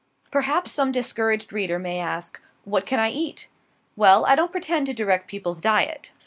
Perhaps some discouraged reader may ask, What can I eat? Well, I don't pretend to direct people's diet.